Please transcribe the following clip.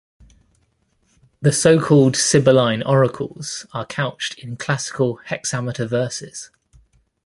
The so-called Sibylline oracles are couched in classical hexameter verses.